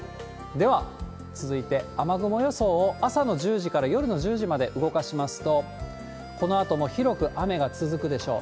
では続いて、雨雲予想を朝の１０時から夜の１０時まで動かしますと、このあとも広く雨が続くでしょう。